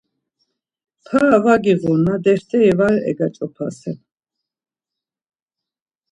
Para var giğunna defteri var egaç̌opasen.